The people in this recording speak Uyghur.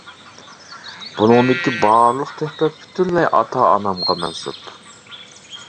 بۇنىڭدىكى بارلىق تۆھپە پۈتۈنلەي ئاتا-ئانامغا مەنسۇپ.